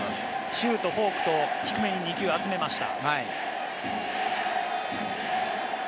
シュート、フォークと２球低めに集めました。